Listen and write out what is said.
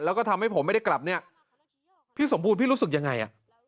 แล้วก็ทำให้ผมไม่ได้กลับเนี่ยพี่สมบูรณพี่รู้สึกยังไงอ่ะ